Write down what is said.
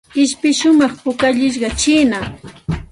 Ishpi shumaq pukallishqa chiinam.